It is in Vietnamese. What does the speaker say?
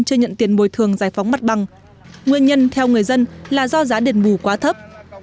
chưa nhận tiền bồi thường giải phóng mặt bằng nguyên nhân theo người dân là do giá đền bù quá thấp